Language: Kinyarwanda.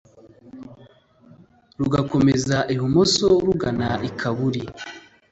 rugakomeza ibumoso rugana i kabuli